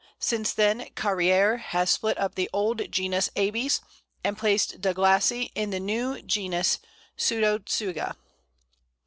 Since then Carrière has split up the old genus Abies and placed douglasii in the new genus Pseudotsuga.